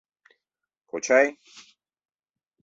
Кочай!